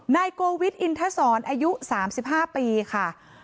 นายโกวิทอินทศรอายุ๓๕ปีค่ะ